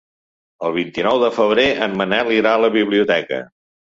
El vint-i-nou de febrer en Manel irà a la biblioteca.